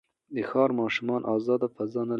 د ښار ماشومان ازاده فضا نه لري.